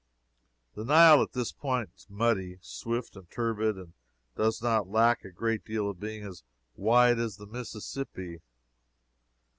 The Nile at this point is muddy, swift and turbid, and does not lack a great deal of being as wide as the Mississippi.